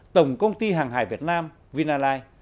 tổng công ty hàng hải việt nam vinasin